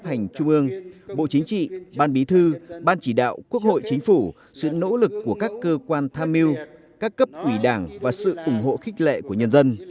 các hành trung ương bộ chính trị ban bí thư ban chỉ đạo quốc hội chính phủ sự nỗ lực của các cơ quan tham mưu các cấp ủy đảng và sự ủng hộ khích lệ của nhân dân